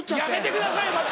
やめてください！